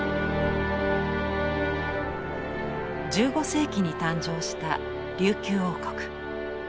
１５世紀に誕生した琉球王国。